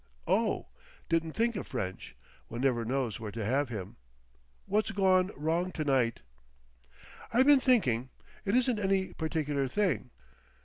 "Oh! Didn't think of French. One never knows where to have him. What's gone wrong to night?" "I been thinking. It isn't any particular thing.